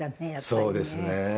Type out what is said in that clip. そうですね。